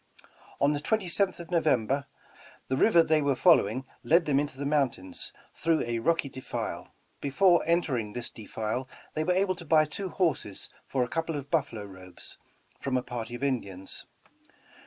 On the 27th of November, the river they were following led them into the mountains, through a rocky defile. Before entering this defile they were able to buy two horses for a couple of buffalo robes, from a party of Indians.